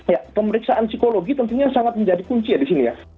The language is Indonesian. ya pemeriksaan psikologi tentunya sangat menjadi kunci ya di sini ya